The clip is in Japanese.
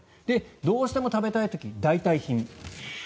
どうしても食べたい時代替品。